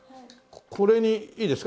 これにいいですか？